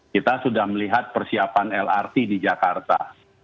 kita sudah melihat persiapan lrt di jakarta